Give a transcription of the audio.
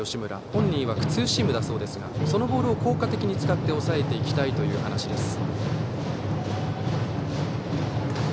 本人いわくツーシームだそうですがそのボールを効果的に使って抑えていきたいという話です。